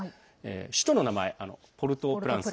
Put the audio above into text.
首都の名前、ポルトープランス